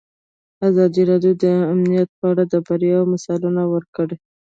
ازادي راډیو د امنیت په اړه د بریاوو مثالونه ورکړي.